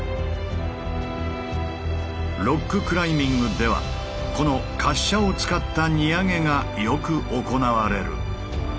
ロッククライミングではこの滑車を使った荷揚げがよく行われる。